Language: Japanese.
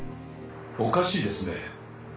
おかしいですね。